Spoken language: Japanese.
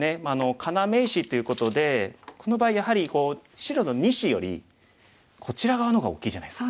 要石ということでこの場合やはり白の２子よりこちら側の方が大きいじゃないですか。